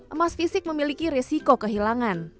emas fisik memiliki resiko kehilangan